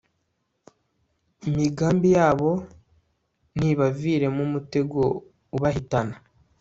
imigambi yabo nibaviremo umutego ubahitana